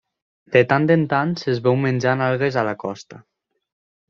De tant en tant se'ls veu menjant algues a la costa.